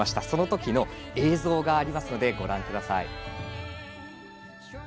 そのときの映像がありますのでご覧ください。